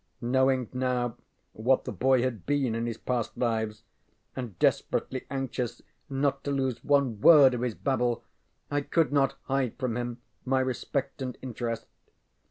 Knowing now what the boy had been in his past lives, and desperately anxious not to lose one word of his babble, I could not hide from him my respect and interest.